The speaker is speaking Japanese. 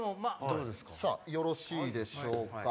さぁよろしいでしょうか。